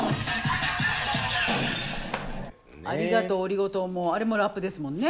「ありがとうオリゴ糖」もあれもラップですもんね。